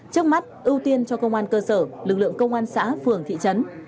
trước mắt ưu tiên cho công an cơ sở lực lượng công an xã phường thị trấn